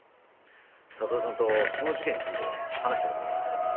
悟さんとその事件について話した事は？